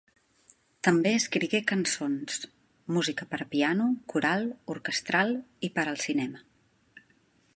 També escrigué cançons, música per a piano, coral, orquestral i per al cinema.